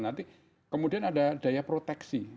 nanti kemudian ada daya proteksi